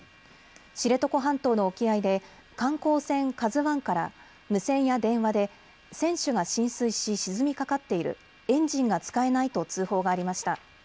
知床半島の沖合で観光船ＫＡＺＵわんから無線や電話で船首が浸水し沈みかかっている、エンジンが使えないと通報がありました。